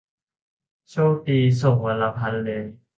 โชคดี' ส่งวันละพันเลย